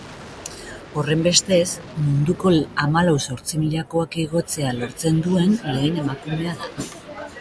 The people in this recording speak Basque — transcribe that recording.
Horrenbestez, munduko hamalau zortzimilakoak igotzea lortzen duen lehen emakumea da.